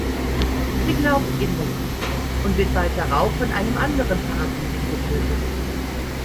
Sie glaubt ihm nicht und wird bald darauf von einem anderen Parasiten getötet.